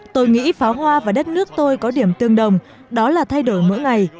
tôi nghĩ pháo hoa và đất nước tôi có điểm tương đồng đó là thay đổi mỗi ngày